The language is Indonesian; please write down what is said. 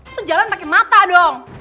tuh jalan pake mata dong